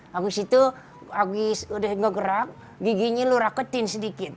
habis itu habis udah ngegerak giginya lu raketin sedikit